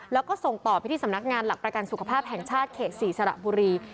แล้วก็ส่งต่อไปที่สำนักงานหลักประกันสุขภาพแห่งชาติเขต๔สระบุรี